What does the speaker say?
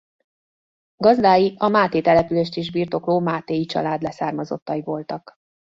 Gazdái a Máté települést is birtokló Mátéi család leszármazottai voltak.